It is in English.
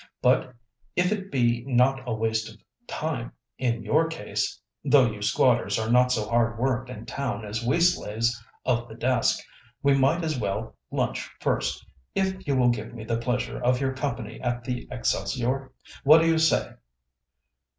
But if it be not a waste of time in your case—though you squatters are not so hard worked in town as we slaves of the desk—we might as well lunch first, if you will give me the pleasure of your company at the Excelsior. What do you say?"